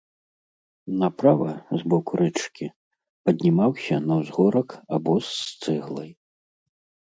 Направа, з боку рэчкі, паднімаўся на ўзгорак абоз з цэглай.